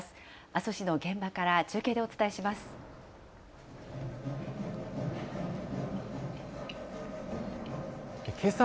阿蘇市の現場から中継でお伝えします。